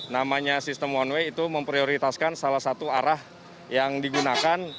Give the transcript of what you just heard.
namanya sistem one way itu memprioritaskan salah satu arah yang digunakan